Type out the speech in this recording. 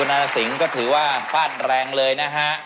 คุณอาทิสสิงภ์ก็ถือว่าฟาดแรงเลยนะฮะ